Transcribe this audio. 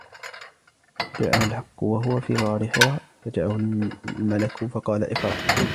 جَاءَهُ الْحَقُّ وَهُوَ فِي غَارِ حِرَاءٍ، فَجَاءَهُ الْمَلَكُ فَقَالَ: اقْرَأْ.